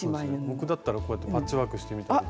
僕だったらこうやってパッチワークしてみたり。